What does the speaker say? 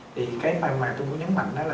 thì cái mà tôi muốn nhấn mạnh đó là